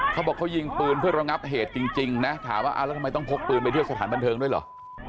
เขาบอกเขายิงปืนเพื่อระงับเหตุจริงนะถามว่าแล้วทำไมต้องพกปืนไปเที่ยวสถานบันเทิงด้วยเหรอ